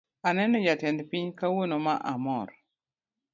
Aneno jatend piny kawuono ma amor